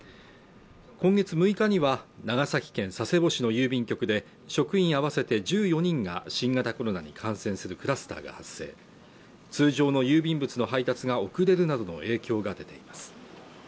今月６日には長崎県佐世保市の郵便局で職員合わせて１４人が新型コロナに感染するクラスターが発生通常の郵便物の配達が遅れるなどの影響が出ています